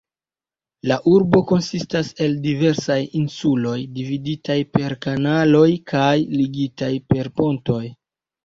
La urbo konsistas el diversaj insuloj, dividitaj per kanaloj kaj ligitaj per pontoj.